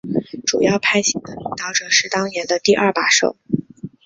主要派系的领导者是当年的第二把手。